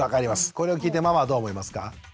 これを聞いてママはどう思いますか？